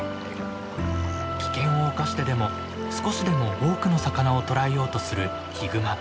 危険を冒してでも少しでも多くの魚を捕らえようとするヒグマ。